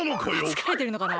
つかれてるのかな。